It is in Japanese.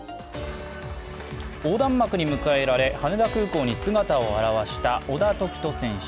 横断幕に迎えられ羽田空港に姿を現した小田凱人選手。